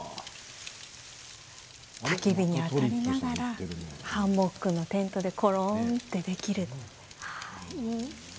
たき火に当たりながらハンモックのテントでコロンとできる。